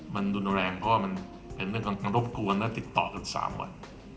มันรุนแรงเพราะว่ามันเป็นเรื่องรบกวนและติดต่อกัน๓วัน